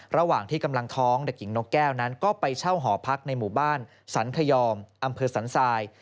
ระหว่างที่กำลังท้องเด็กหญิงนกแก้วนั้นก็ไปเช่าหอพักในหมู่บ้านสันขยอมอำเภอสันทราย